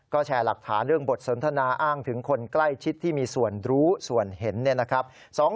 ก็แชร์หลักฐานเรื่องบทสนทนาอ้างถึงคนใกล้ชิดที่มีส่วนรู้ส่วนเห็นเนี่ยนะครับ